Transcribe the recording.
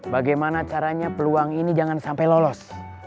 bagaimana caranya peluang ini jangan sampai lolos